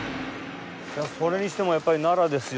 それにしてもやっぱり奈良ですよね。